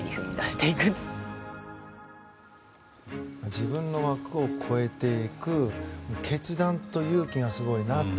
自分の枠を超えていく決断と勇気がすごいなって